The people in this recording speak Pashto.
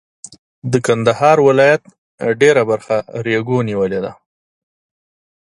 د کندهار ولایت ډېره برخه ریګو نیولې ده.